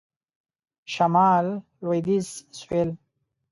شمال .. لویدیځ .. سوېل ..